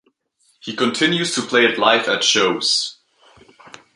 He continues to play it live at shows.